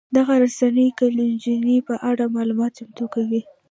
دغه رسنۍ د چلنجونو په اړه معلومات چمتو کوي.